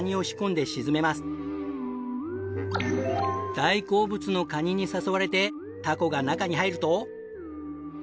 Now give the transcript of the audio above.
大好物のカニに誘われてタコが中に入ると。